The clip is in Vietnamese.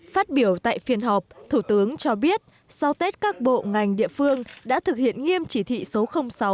phát biểu tại phiên họp thủ tướng cho biết sau tết các bộ ngành địa phương đã thực hiện nghiêm chỉ thị số sáu